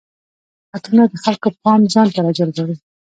عطرونه د خلکو پام ځان ته راجلبوي.